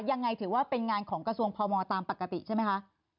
ยังไงถือว่าเป็นงานของกระทรวงพมตามปกติใช่ไหมคะ